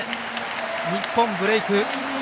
日本、ブレーク。